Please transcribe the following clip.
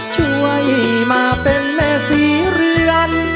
ช่วยมาเป็นแม่ศรีเรือน